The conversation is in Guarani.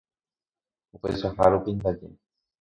Upeichahárupi ndaje.